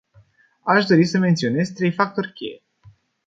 Aș dori să menționez trei factori cheie.